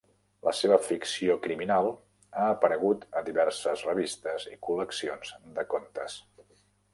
La seva ficció criminal ha aparegut a diverses revistes i col·leccions de contes.